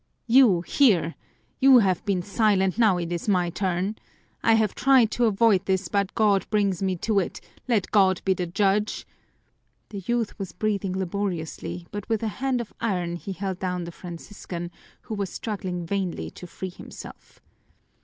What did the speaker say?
"You, here! You have been silent, now it is my turn! I have tried to avoid this, but God brings me to it let God be the judge!" The youth was breathing laboriously, but with a hand of iron he held down the Franciscan, who was struggling vainly to free himself.